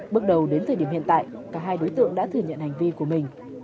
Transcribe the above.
bước đầu đến thời điểm hiện tại cả hai đối tượng đã thừa nhận hành vi của mình